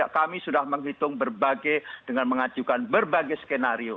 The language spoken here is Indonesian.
kami sudah menghitung berbagai dengan mengajukan berbagai skenario